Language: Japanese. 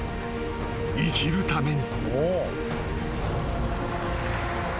生きるために］